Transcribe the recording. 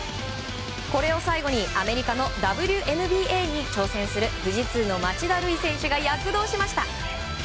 これを最後にアメリカのＷＮＢＡに挑戦する富士通の町田瑠唯選手が躍動しました。